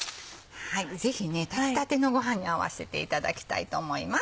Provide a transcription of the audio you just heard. ぜひ炊きたてのごはんに合わせていただきたいと思います。